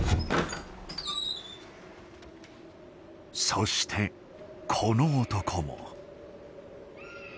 そしてこの男も。